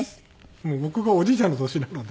もう僕がおじいちゃんの年なので。